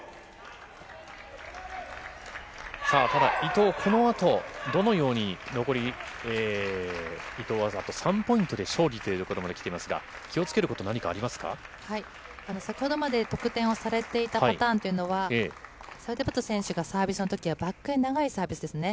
ただ、伊藤、このあとどのように残り、伊藤はあと３ポイントで勝利というところまできていますが、先ほどまで得点をされていたパターンというのは、セウタブット選手がサービスのときはバックに長いサービスですね。